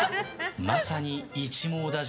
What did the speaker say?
まさに一網打尽。